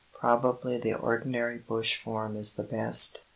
Probably the ordinary bush form is the best.